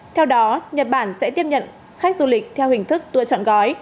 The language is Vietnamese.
theo đó nhật bản sẽ tiếp nhận khách du lịch theo hình thức tour chọn gói